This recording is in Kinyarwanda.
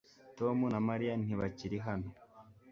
Tom na Mariya ntibakiri hano